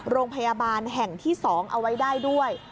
โรงพยาบาลแห่งที่๒เอาไว้ได้ด้วย